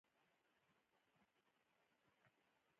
اوبه د عضلو حرکت ته مرسته کوي